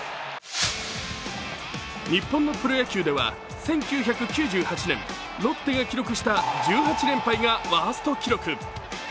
日本のプロ野球では１９９８年、ロッテが記録した１８連敗がワースト記録。